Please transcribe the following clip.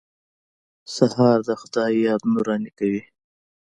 سهار د خدای یاد نوراني کوي.